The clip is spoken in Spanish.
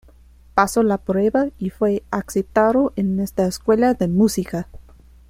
Pasó la prueba y fue aceptado en esta escuela de música.